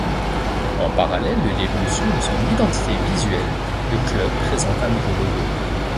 En parallèle de l'évolution de son identité visuelle, le club présente un nouveau logo.